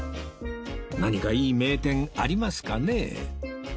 何かいい名店ありますかね？